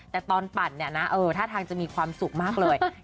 แต่ตอนปั่นเนี่ยนะท่าทางจะมีความสุขมากเลย